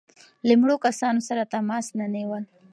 له مړو کسانو سره تماس نه نیول.